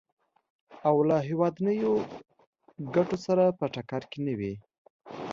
او له هېوادنیو ګټو سره په ټکر کې نه وي.